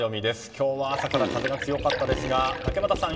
今日は朝から風が強かったですが竹俣さん